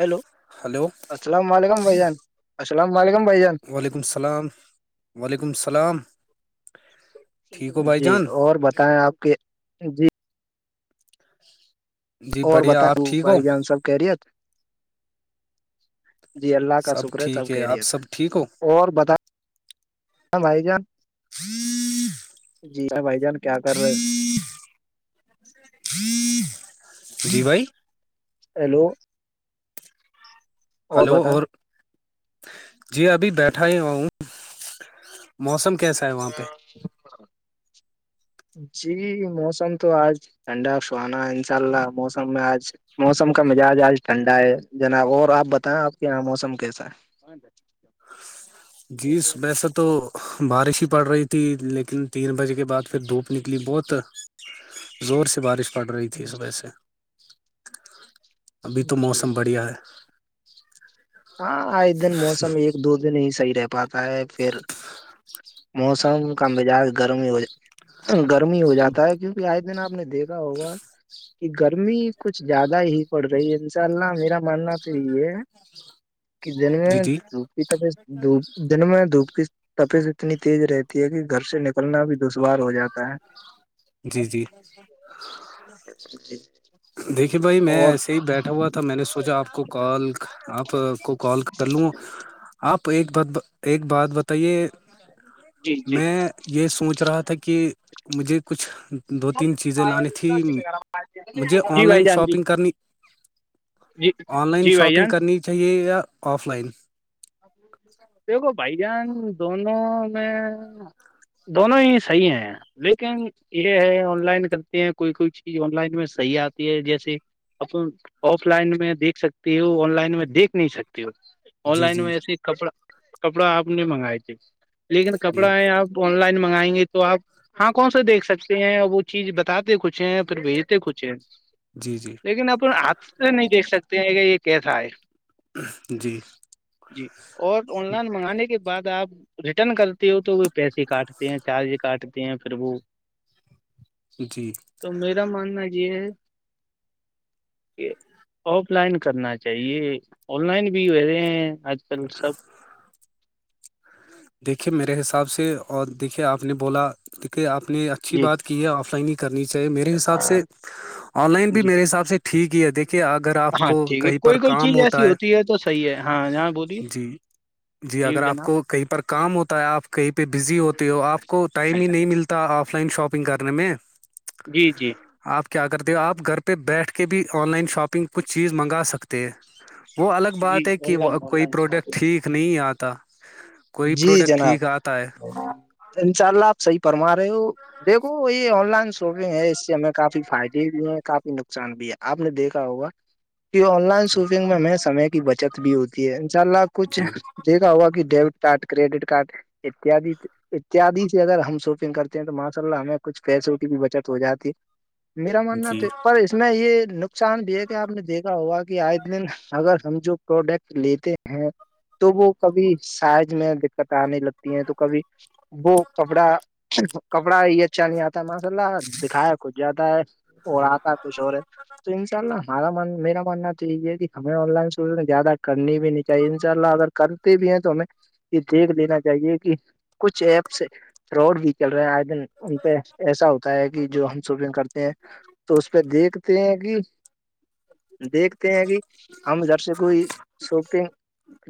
hello hello السلام علیکم بھ جان السلام علیکم بھ جان و ععلیکم السلام و علیکم السلام ٹھیک ہو بھائی جی جان اور بتائیں آپ کے جی جی اور بڑھیا بتا آپ ٹھیک ہو بھائی جان سب کہہ رہیے جی اللہ کا شکر ہے سب ٹھیک کہہ آپ رہیے تھے سب ٹھیک ہو اور بتا ہاں بھائی جان ہ [unintelligible] جی س بائی جان کیا کر رہے جی بھائی ہیلو ہلو اور جی ابھی بیٹھا ہی ہوں موسم کیسا ہے وہاں پہ جی موسم تو آج ٹھنڈافوانا انشاء اللہ موسم میں آج موسم کا مزاج آج ٹھنڈا ہے جناب اور آپ بتائیں آپ کے یہاں موسم کیسا ہے [inaudible] جی ویسا تو بارش ہی پڑ رہی تھی لیکن تین بجے کے بعد پھر دھوپ نکلی بہت زور سے بارش پڑ رہی تھی اس وجہ سے ابھی تو جی موسم بڑھیا ہے ہاں ایک دن موسم ایک دو دن ہی صحیح رہ پاتا ہے پھر موسم کا مزاج گرمی ہو گرمی ہو جاتا ہے کیونکہ آج دن آپ نے دیکھ ہوگا کہ گرمی کچھ زیادہ ہی پڑ رہی ہے چلنا میرا ماننا تو یہ کہ دن میں جی جی دھپی تو پھر دپ دن میں دھوپ کی تفیت اتنی تیز رہتی ہے کہ گھر سے نکلنا بھی دشوار ہو جاتا ہے جی جی دیکھیے بھائی میں اور ایسے ہی بیٹھا ہوا تھا میں نے سوچا آپ کو کال آپ کو کال کر لوں آپ ایک بات ایک بات بتائیے جی جی میں یہ سوچ رہا تھا کہ کہ مجھے کچھ دو تین چیزیں لانی تھی مجھے جی آن بھائی لائن جان جی شاپنگ کرنی جی آن لائن جی بھائی جان شاپنگ کرنی چاہیے یا آف لائن دیکھو بھائی جان دونوں میں دونوں ہی صحیح ہیں لیکن یہ ہے آن لائن کرتے ہیں کوئی کوئی چیز آن لائن میں صحیح آتی ہے جیسے ا آف لائن میں دیکھ سکتی ہو آن لائن میں دیکھ نہیں سکتی ہو آن جی لائن جی میں ایسے ہی کپڑا کپڑا آپ نہیں منگائے تھے لیکن کپڑا جی آپ آن لائن منگائیں گے تو آپ ہاں کون سےا دیکھ سکتے ہیں وہ چیز بتاتے کچھ ہیں پھر بھیجتے کچھ ہیں جی جی لیکن ا ہاتھ سے نہیں دیکھ سکتے ہیں کہ یہ کیسا ہے جی جی اور آن لائن منگانے کے بعد آپ ریٹرن کرتے ہو تو پیسے کاٹتے ہیں چارج کاٹتے ہیں پھر وہ جی تو میرا ماننا یہ ہے کہ آف لائن کرنا چاہیے آن لائن بھی رہ رہے ہیں آج کل سب دیکھیے میرے حساب سے اور دیکھیے آپ نے بولا دیکے آپ نے اچھی جی بات کی ہے آف لائن ہی کرنی چاہیے میرے حساب سے آن لائن بھی جی میرے حساب سے ٹھیک ہی ہے دیک کہ اگر آپ ہاں کو ٹھیک ہے کہیں پر کوئی کوئی کام چیز ہوتا ایسی ہے ہوتی تو صحیح ہے ہاں ہاں بولیے جی جی اگر آپ کو کہیں پر کام ہوتا ہے آپ کہیں پہ بزی ہوتے ہو آپ کو ٹائم ہی نہیں مل ملتا آف لائن شاپنگ کرنے میں جی جی آپ کیا کرتے ہو آپ گھر پہ بیٹھ کے بھی آن لائن شاپنگ کچھ چیز منگا سکتے تھ وہ الگ جی بات ہے کہ آن لائن وہ آن کوئی لائن پروڈکٹ شاپنگ ٹھیک نہیں آتا کوئی جی پروڈکٹ جناب ٹھیک آتا ہے انشاء اللہ آپ صحیح فرما رہے ہو دیکو یہ آن لائن شاپنگ ہے اس سے ہمیں کافی فائدے بھی ہیں کافی نقصان بھی ہے آپ نے دیکھا ہوگا کی آن لائن شاپنگ میں ہمیں سمے کی بچت بھی ہوتی ہے ان شاء اللہ کچھ ج گا ہوا کہ ڈیبٹ کارڈ کریڈٹ کارڈ اتیاد اتیادی سے اگر ہم شاپنگ کرتے ہیں تو ماشاء اللہ ہمیں کچھ پیسوں کی بھی بچت ہو جاتی ہے میرا ماننا جی تو پر اس میں یہ نقصان بھی ہے کہ آپ نے دیکھا ہوگا کہ آئے دن اگر ہم جو پروڈکٹ لیتے ہیں تو وہ کبھی سائز میں دقت آنے لگتی ہیں تو کبھی وہ کپڑا کپڑا یہ اچھا نہیں آتا ماشاء اللہ دکھایا کھود جاتا ہے اور آتا کچھ اور ہے تو انشاء اللہ ہمارا من میرا ماننا تو یہ ہے کہ ہمیں آن لائن شوپنگ زیادہ کرنی بھی نہیں چاہیے ان شاء اللہ اگر کرتے بھی ہیں تو ہمیں یہ دیکھ لینا چاہیے کہ کچھ ایپس روڈ بھی چل رہے ہیں آئے دن ان پہ ایسا ہوتا ہے کہ جو ہم شوپنگ کرتے ہیں تو اس پہ دیکھتے ہیں کہ دیکھتے ہیں کہ ہم جھر سے کوئی شوپنگ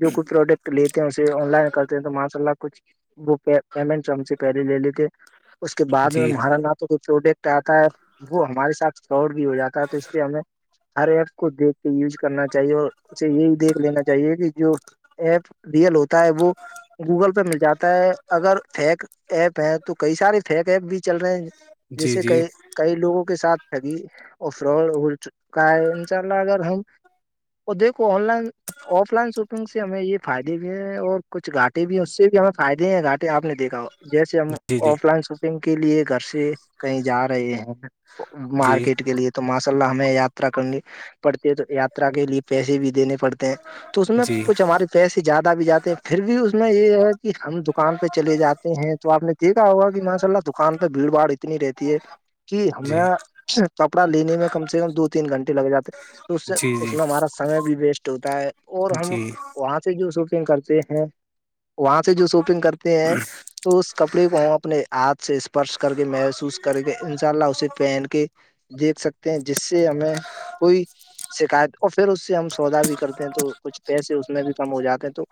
جو کوئی پروڈکٹ لیتے سے آن لائن کرتے ہیں تو ماشاء اللہ کچھ وہ پیمنٹ ہم سے پہلے لے لیتے اس کے بعد میں جی جی ہمہارا نا تو کو پروڈکٹ آتا ہے وہ ہمارے ساتھ اور بھی ہو جاتا ہے تو اس لیے ہمیں ہر ایپ کو دیکھ کے یوز کرنا چاہیے اور اسے یہی دیکھ لینا چاہیے کہ جو ایپ ریئل ہوتا ہے وہ گوگل پہ مل جاتا ہے اگر فیک ایپ ہے تو کئی سارے فیک ایپ بھی چل رہے ہیں جی جیسے جی کہئی کئی لوگوں کے ساتھ گی اور فرا ہے انشاءلہ اگر ہم اور دیکھو online offline shopping سے ہمیں یہ فائدے بھی ہے اور کچھ گھاٹے بھی ہیں اس سے بھی ہمیں فائدے ہیں گاٹے آپ نے دیکھا جیسے ہم آف لائن شاپنگ کے لیے گھر سے کہیں جا رہے ہیں جی مارکیٹ جی کے لیے تو ماشاء اللہ ہمیں یاترا کرنی پڑتی ہے تو یاترا کے لیے پیسے بھی دینے پڑتے ہیں تو اس میں جی کچھ ہمارے کیسے زیادہ بھی جاتے ہیں پھر بھی اس میں یہ ہے کہ ہم دکان پہ چلے جاتے ہیں تو آپ نے یہیکھا ہوگا کہ ماشاء اللہ دکان پہ بھیڑ باڑ اتنی رہتی ہے کہ ہمیں جی کپڑا لینے میں کم سے کم دو تین گھنٹے لگ جاتے تو اس سے جی جی اس میں ہمارا سمے بھی ویسٹ ہوتا ہے اور ہم جی جی وہاں سے جو شاپنگ کرتے ہیں وہاں سے جو شاپنگ کرتے ہیں تو اس کپڑے کو ہم اپنے ہاتھ سے اسپرش کر کے محسوس کریں کے انشاء اللہ اسے پہن کے دیکھ سکتے ہیں جس سے ہمیں کوئی شکایت اور پھر اس سے ہم سودا بھی کرتے ہیں تو کچھ پیسے بھی کم ہو جاتے ہیں تو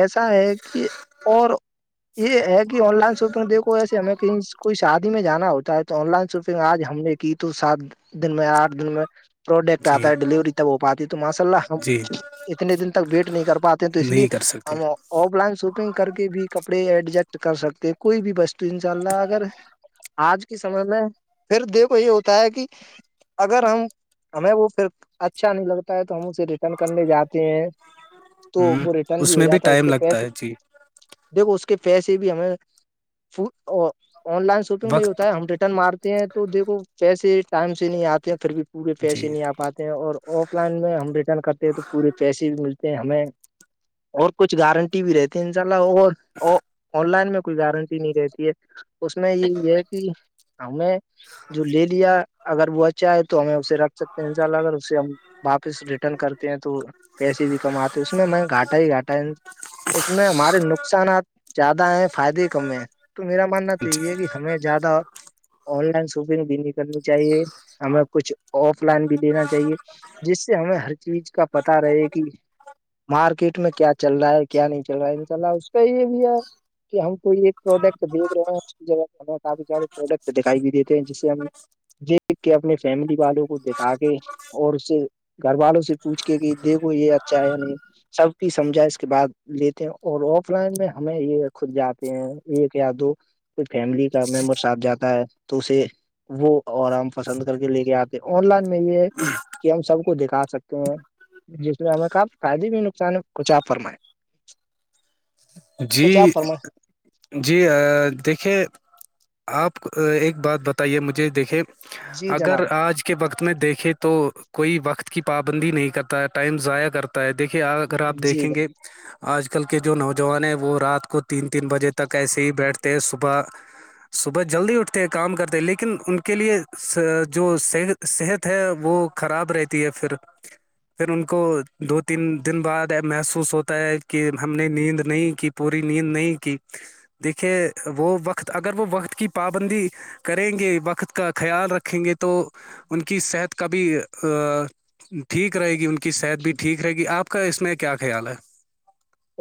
ایسا ہے کہ اور یہ ہے کہ آن لائن شاپنگ دیکو ایسے ہمیں کہیں کوئی شادی میں جانا ہوتا ہے تو آن لائن شاپنگ آج ہم نے کی تو سات دن میں آٹھ دن میں پروڈکٹ جی آتا ہے ڈیلیوری تب ہو پاتی ہے تو ماشاء اللہ ہم جی جی اتنے دن تک ویٹ نہیں کر پاتے تو اس لیے نہیں کر سکتے ہم آف لائن شاپنگ کر کے بھی کپڑے ایڈجسٹ کر سکتے کوئی بھی بو ان شاء اللہ اگر آج کے سمے میں پھر دیکھو یہ ہوتا ہے کہ اگر ہم ہمیں وہ پھر اچھا نہیں لگتا ہے تو ہم اسے ریٹرن کرنے جاتے ہیں تو ہ وہ ریٹرن بھی ہو میں جاتا ہے اس ٹائم کے لگتا پیسے ہے جی دیکھو اس کے پیسے بھی ہمیں آن لائن شپنگ میں یہ ہوتا وقت ہے ہم ریٹرن مارتے ہیں تو دیکھو پیسے ٹائم سے نہیں آتے ہیں پھر بھی پورے جی پیسے نہیں آ پاتے ہیں اور آف لائن میں ہم ریٹرن کرتے ہیں تو پورے پیسے بھی ملتے ہیں ہمیں اور کچھ گارنٹی بھی رہتی ان شاء اللہ اور آن لائن میں کوئی گارنٹی نہیں رہتی ہے اس میں یہ ہے کہ ہمیں جو لے لیا اگر وہ اچھا ہے تو ہمیں اسے رکھ سکتے ہیں ان شاء اللہ اگر اسے ہم واپس ریٹرن کرتے ہیں تو پیسے بھی کماتے اس میں میں گھاٹا ہی گھاٹا ہے اس میں ہمارے نقصانات زیادہ ہیں فائدے ہی کم ہیں تو میرا ماننا تو یہ ہے کہ ہمیں زیادہ آن لائن شوفنگ بھی نہیں کرنی چاہیے ہمیں کچھ آف لائن بھی دینا چاہیے جس سے ہمیں ہر چیز کا پتا رہے کہ مارکیٹ میں کیا چل رہا ہے کیا نہیں چل رہا ہے انسءلہ اس کا یہ بھی ہے کہ ہم کوئی ایک پروڈکٹ دیکھ رہے ہیں ج ہمیں کافی سارے پروڈکٹ دکھائی بھی دیتے ہیں جس سے ہم دیکھ کے اپنے فیملی والوں کو دکھا کے اور اس سے گھر والوں سے پوچھ کے کہ دیکھو یہ اچھا ہے نہیں سب کی سمجھا اس کے بعد لیتے ہیں اور آف لائن میں ہمیں یہ خود جاتے ہیں ایک یا دو کوئی فیملی کا ممبر صاحب جاتا ہے تو اسے وہ آرام پسند کر کے لے کے آتے آن لائن میں یہ ہے کہ ہم سب کو دکھا سکتے ہیں جس میں ہمیں کاپ فائدے بھی نقصان ہے کچھ آپ فرمائےیں جی کچھ آپ فرمائیں جی دیکھیے آپ ایک بات بتائیے مجھے دیکھیے جی اگر جناب آج کے وقت میں دیکھیں تو کوئی وقت کی پابندی نہیں کرتا ہے ٹائم ضائع کرتا ہے دیکھے آ آپ جی دیکھیں گے جناب آج کل کے جو نوجوان ہیں وہ رات کو تین تین بجے تک ایسے ہی بیٹھتے ت صبح صبح جلدی اٹھتے کام کرتے لیکن ان کے لیے جو صحت صحت ہے وہ خراب رہتی ہے پھر پھر ان کو دو تین دن بعد محسوس ہوتا ہے کہ ہم نے نیند نہیں کی پوری نیند نہیں کی دیکھیے وہ وقت اگر وہ وقت کی پابندی کریں گے وقت کا خیال رکھیں گے تو تو ان کی صحت کا بھی ٹھیک رہے گی ان کی صحت بھی ٹھیک رہے گی آپ کا اس میں کیا خیال ہے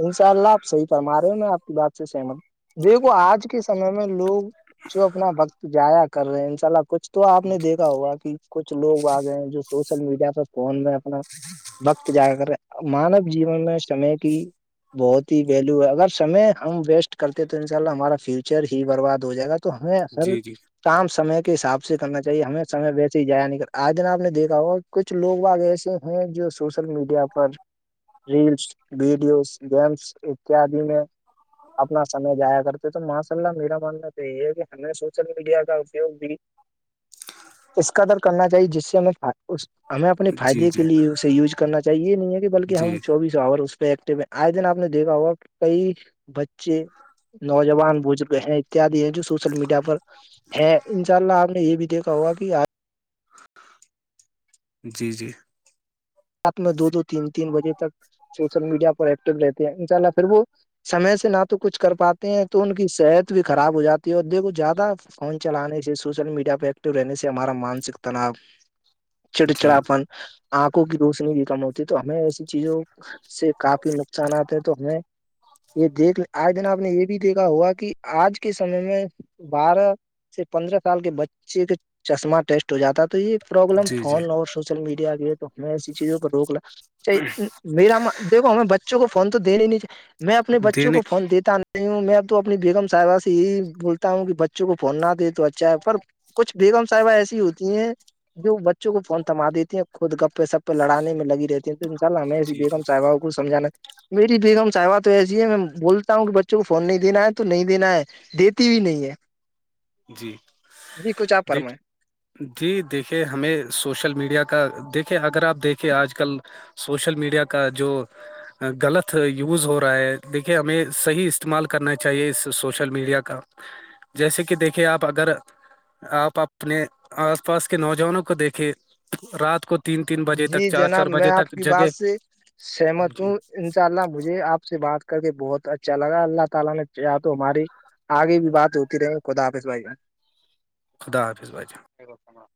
انشاء اللہ آپ صحیح فرما رہے ہو میں آپ کی بات سے سہمت دیکھو آج کے سمے میں لوگ جو اپنا وقت جایا کر رہے ہیں ان شاء اللہ کچھ تو آپ نے دیکھا ہوگا کہ کچھ لوگ آگئے جو سوشل میڈیا پہ فون میں وقت جا کر مانو جیون میں سمے کی بہت ہی ویلو ہے اگر سمے ہم ویسٹ کرتے ہیں تو ان شاء اللہ ہمارا فیوچر ہی برباد ہو جائے گا تو ہے اصل جی [unintelligible] جی [unintelligible] کام سمے کے حساب سے کرنا چاہیے ہمیں سے بیسے ہی جایا نہیں کر آج جن آ نے دیکھا ہو کچھ لوگ آگ ایسے ہیں جو سوشل میڈیا پر ریلس ویڈیوز گیمس اتیادی میں اپنا سمے جایا کرتے تو ماشاء اللہ میرا ماننا تو یہی ہے کہ ہمیں سوشل میڈیا کا اپیوگ بھی اس کا در کرنا چاہیے جس سے ہمیں اس ہمیں اپنے جی فائدے کے جی لیے اسے یوز کرنا چاہیے نہیں ہے کہ بلکہ ہم جی چوبیس آور اس پہ ایکٹو آئے دن آپ نے دیکھا ہوا کہ کئی بچے نوجوان بزرگ ہیں اتیادی ہیں جو سوشل میڈیا پر ہے ان شاء اللہ آپ نے یہ بھی دیکھا ہوگا کہ آ جی جی میں دو دو تین تین بجے تک سوشل میڈیا پر ایکٹو رہتے ہیں انشاء اللہ پھر وہ سمے سے نہ تو کچھ کر پاتے ہیں تو ان کی صحت بھی خراب ہو جاتی ہے اور دیکھو زیادہ فون چلانے سے سوشل میڈیا پہ ایکٹو رہنے سے ہمارا مانسک تناؤ جی چڑچڑاپن آنکھوں کی روشنی بھی کم ہوتی ہے تو ہمیں ایسی چیزوں سے کافی نقصان آتے ہے تو ہمیں یہ دیکھ آئے دن آپ نے یہ بھی دیکھا ہوا کہ آج کے سمے میں بارہ سے پندرہ سال کے بچے کا چشمہ ٹیسٹ ہو جاتا تو یہ پرابلم جی جی فون اور سوشل میڈیا کی ہے تو ہمیں ایسی چیزوں کو روک میرا دھو ہمیں بچوں کو فون تو دنے ہی نہیں چاہے میں اپنے بچوں دینے کو فون دیتا ہوں میںب تو اپنی بیگم صاحبہ سے یہی بولتا ہوں کہ بچوں کو فون نہ دے تو اچھا ہے پر کچھ بیگم صاحبہ ایسی ہوتی ہیں جو بچوں کو فون تھما دیتی ہیں خود گپے سپے لڑان میں لگی رہتی ہیں تو انشء اللہ میںیں اس جی بیگم جی ساحباؤ کو سمجھا میری بیگم ساحوہ تو ایسی ہے میں بولتا ہوں کہ بچوں کو فون نہیں دینا ہے تو نہیں دینا ہے دیتی بھی نہیں ہے جی جی کچھ آپ دیک فرمائیں جی دیکھیے ہمیں سوشل میڈیا کا دیکھے اگر آپ دیکھے آج کل سوشل میڈیا کا جو غلط یوز ہو رہا ہے دیکھیے ہمیں صحیح استعمال کرنا چاہیے اس سوشل میڈیا کا جیسے کہ دیکھیے آپ اگر آپ اپنے آس پاس کے نوجوانوں کو دیکھے رات کو تین تین بجے جی تک چار چار جناب میں بجے آپ تک کی جگہ بات سے سہمت جی ہوں اپ سے بات کر کے بہت اچھا لگا آگے بھی بات ہوتی رہے خدا حافظ بھائی کا خدا حافظ بچا بتنا